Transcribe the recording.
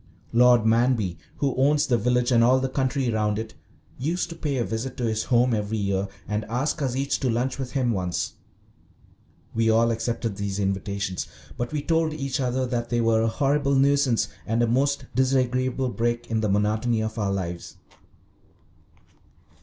Lord Manby, who owns the village and all the country round it, used to pay a visit to his home every year and ask us each to lunch with him once. We all accepted these invitations, but we told each other that they were a horrible nuisance and a most disagreeable break in the monotony of our lives.